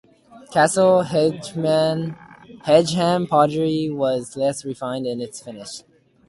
Castle Hedingham pottery was less refined in its finish.